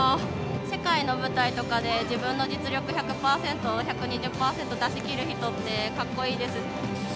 世界の舞台とかで、自分の実力、１００％、１２０％、出しきる人ってかっこいいです。